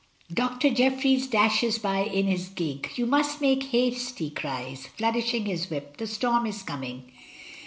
Doctor Jeffries dashes by in his gig. "You must make haste," he cries, flourishing his whip; "the storm is coming."